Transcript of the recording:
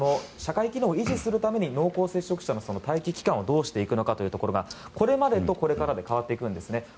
社会機能を維持するために濃厚接触者の待機期間をどうしていくのかということがこれまでとこれからで変わっていくんですね。